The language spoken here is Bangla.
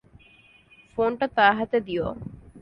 ফোনটা তার হাতে দিও।